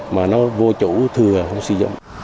mà nó vô chủ thừa không sử dụng